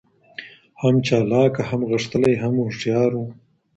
هم چالاکه هم غښتلی هم هوښیار وو